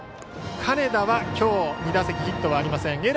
金田は、きょう２打席ヒットはありません。